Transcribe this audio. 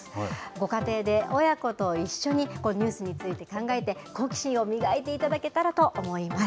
ご家庭で、親子と一緒にニュースについて考えて、好奇心を磨いていただけたらと思います。